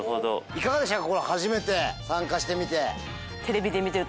いかがでしたか？